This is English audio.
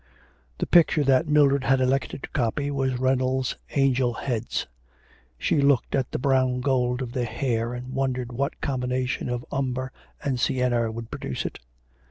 The picture that Mildred had elected to copy was Reynolds's angel heads. She looked at the brown gold of their hair, and wondered what combination of umber and sienna would produce it.